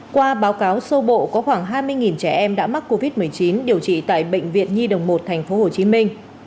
qua báo cáo sơ bộ có khoảng hai mươi trẻ em đã mắc covid một mươi chín điều trị tại bệnh viện nhi đồng một thành phố hồ chí minh